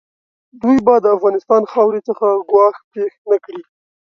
دوی به د افغانستان خاورې څخه ګواښ پېښ نه کړي.